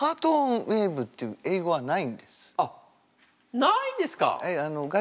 まずはあっないんですか！